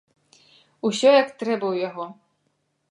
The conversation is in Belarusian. Усё як трэба ў яго.